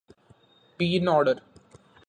Be in order.